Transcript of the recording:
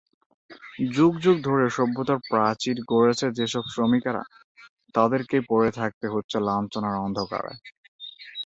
যুগ যুগ ধরে সভ্যতার প্রাচীর গড়েছে যেসব শ্রমিকেরা তাদেরকেই পড়ে থাকতে হচ্ছে লাঞ্ছনার অন্ধকারে।